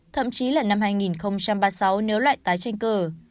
thậm chí là năm hai nghìn ba mươi sáu nếu lại tái tranh cử